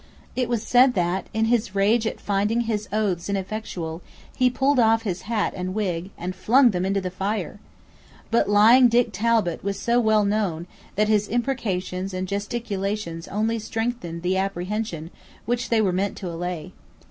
It was said that, in his rage at finding his oaths ineffectual, he pulled off his hat and wig, and flung them into the fire, But lying Dick Talbot was so well known that his imprecations and gesticulations only strengthened the apprehension which they were meant to allay.